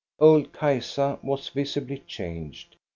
Old Kajsa was visibly changed.